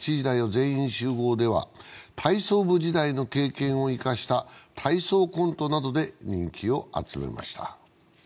全員集合」では体操部時代の経験を生かした体操コントなどで人気を集めました。